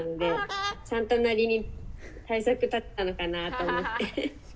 たくんなりに対策立ててたのかなと思って。